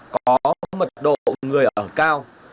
có mật độ người ở cao